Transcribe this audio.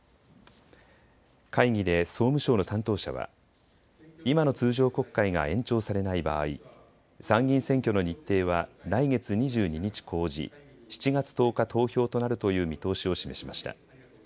会議で総務省の担当者は今の通常国会が延長されない場合、参議院選挙の日程は来月２２日公示、７月１０日投票となるという見通しを示しました。